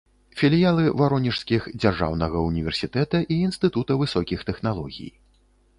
Філіялы варонежскіх дзяржаўнага ўніверсітэта і інстытута высокіх тэхналогій.